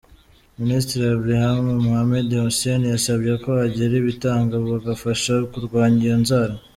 Minisitiri Abdirahman Mohamed Hussein, yasabye ko hagira abitanga bagafasha kurwanya iyo nzara.